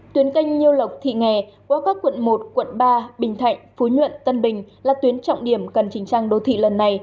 tuyến canh nhiêu lộc thị nghè qua các quận một quận ba bình thạnh phú nhuận tân bình là tuyến trọng điểm cần chỉnh trang đô thị lần này